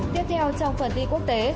tiếp theo trong phần thi quốc tế